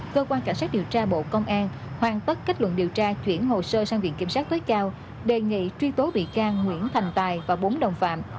cơ quan cảnh sát điều tra bộ công an hoàn tất kết luận điều tra chuyển hồ sơ sang viện kiểm sát tối cao đề nghị truy tố bị can nguyễn thành tài và bốn đồng phạm